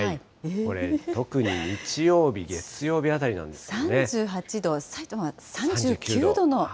これ、特に日曜日、月曜日あたり３８度、さいたまは３９度の？